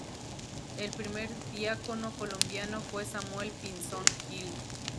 El primer diácono colombiano fue Samuel Pinzón Gil.